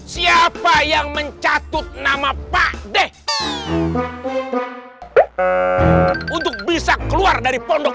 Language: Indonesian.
siapa yang mencatut nama pak deh untuk bisa keluar dari pondok